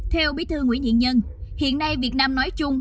theo bí thư nguyễn thiện nhân hiện nay việt nam nói chung